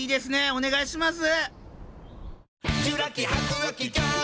お願いします。